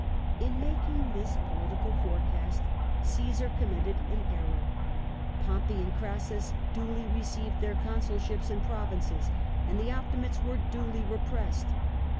In making this political forecast Omsar committed an error. Pompey and Crassus duly received their constil ships and provinces, and the Optimates were duly re pressed.